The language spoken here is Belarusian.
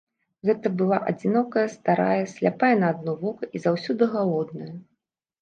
Гэта была адзінокая старая, сляпая на адно вока і заўсёды галодная.